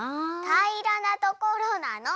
たいらなところなの！